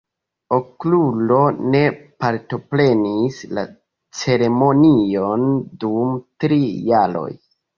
Okrulo ne partoprenis la ceremonion dum tri jaroj.